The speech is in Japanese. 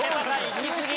いき過ぎ！